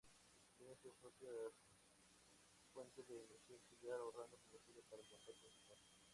Tiene su propia fuente de energía auxiliar, ahorrando combustible para el motor principal.